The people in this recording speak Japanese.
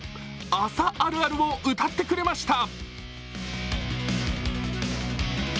「朝あるある」を歌ってくれました。